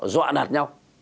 dọa nạt nhau